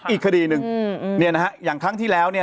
อีกคดีหนึ่งเนี่ยนะฮะอย่างครั้งที่แล้วเนี่ย